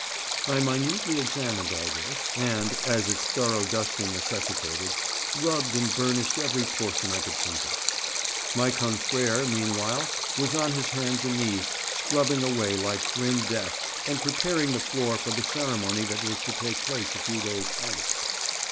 I minutely examined all this, and (as its thorough dusting necessitated) rubbed and burnished every portion I could think of. My confrère, meanwhile, was on his hands and knees, scrubbing away like grim death, and preparing the floor for the ceremony that was to take place a few days hence.